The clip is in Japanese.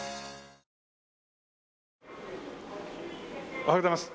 おはようございます。